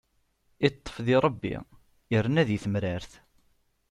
Iṭṭef di Ṛebbi, irna di temrart.